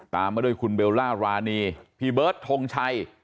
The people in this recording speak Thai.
มาด้วยคุณเบลล่ารานีพี่เบิร์ดทงชัย